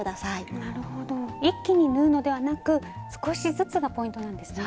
なるほど一気に縫うのではなく少しずつがポイントなんですね。